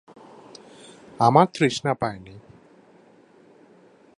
আমার তৃষ্ণা পায় নি।